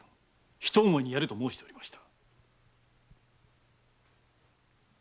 ひと思いにやれ」と申しておりました。